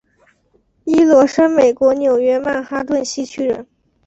伊罗生美国纽约曼哈顿西区人。